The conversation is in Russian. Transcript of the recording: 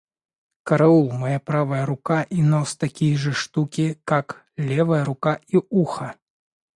Караул, моя правая рука и нос такие же штуки, как левая рука и ухо!